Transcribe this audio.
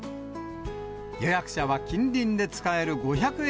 予約者は近隣で使える５００円